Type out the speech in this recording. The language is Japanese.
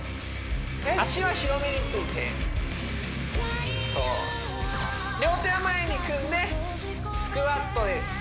足は広めに着いてそう両手は前に組んでスクワットです